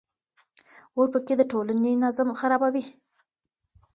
اورپکي د ټولنې نظم خرابوي.